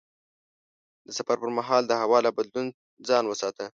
د سفر پر مهال د هوا له بدلون ځان وساته.